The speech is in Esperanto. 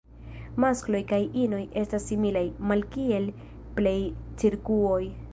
Maskloj kaj inoj estas similaj, malkiel plej cirkuoj.